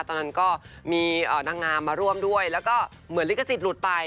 ตอนนั้นก็มีนางงามมาร่วมด้วยแล้วก็เหมือนลิขสิทธิหลุดไป